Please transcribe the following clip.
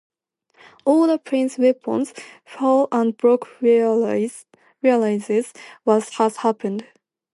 All the planes' weapons fail and Block realizes what has happened.